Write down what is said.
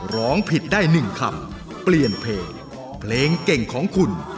ร้องผิดได้๑คำเปลี่ยนเพลงเพลงเก่งของคุณ